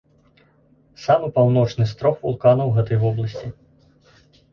Самы паўночны з трох вулканаў гэтай вобласці.